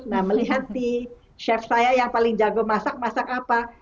nah melihat chef saya yang paling jago masak masak apa